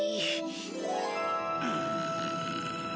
うん。